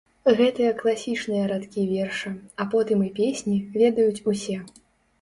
Гэтыя класічныя радкі верша, а потым і песні, ведаюць усе.